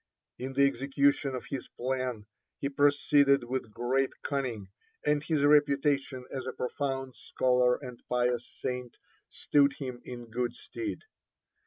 In the execution of his plan he proceeded with great cunning, and his reputation as a profound scholar and pious saint stood him in good stead.